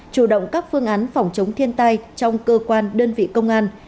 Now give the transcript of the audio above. chủ động các phương án phòng chống thiên tai trong cơ quan đơn vị công an